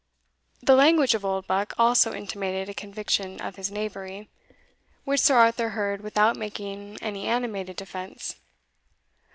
The language of Oldbuck also intimated a conviction of his knavery, which Sir Arthur heard without making any animated defence.